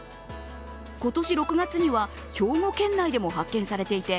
今年６月には、兵庫県内でも発見されていて